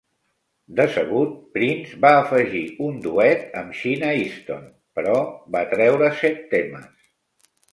Decebut, Prince va afegir un duet amb Sheena Easton, però va treure set temes.